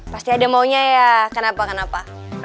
pasti ada maunya ya kenapa kenapa